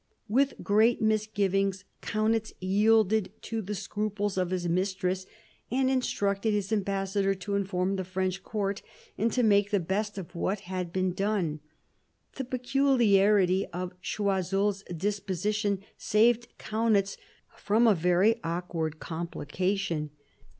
With great misgivings, Kaunitz yielded to the scruples of his mistress, and instructed his ambassador to inform the French court, and to make the best of what had been done. The peculiarity of Choiseurs disposition saved Kaunitz from a very awkward complication.